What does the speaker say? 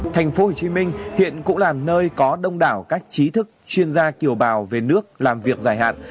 tp hcm hiện cũng là nơi có đông đảo các chí thức chuyên gia kiều bào về nước làm việc dài hạn